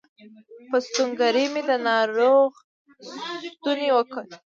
په ستونګوري مې د ناروغ ستونی وکوت